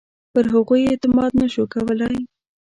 په هغوی یې اعتماد نه شو کولای.